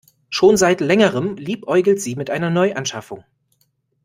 Schon seit längerem liebäugelt sie mit einer Neuanschaffung.